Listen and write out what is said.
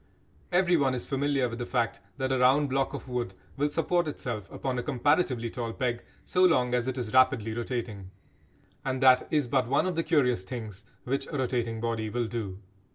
Everyone is familiar with the fact that a round block of wood will support itself upon a comparatively tall peg so long as it is rapidly rotating. And that is but one of the curious things which a rotating body will do.